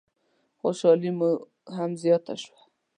خوشحالي مو هم زیاته شوه.